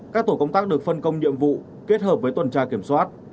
các tổ công tác được phân công nhiệm vụ kết hợp với tuần tra kiểm soát